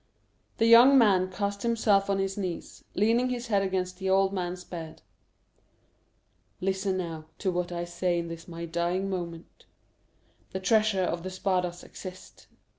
The young man cast himself on his knees, leaning his head against the old man's bed. "Listen, now, to what I say in this my dying moment. The treasure of the Spadas exists.